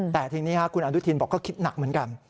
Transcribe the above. แต่ทีนี้คุณอนุทินบอกก็คิดหนักเหมือนกัน